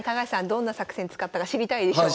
どんな作戦使ったか知りたいでしょ？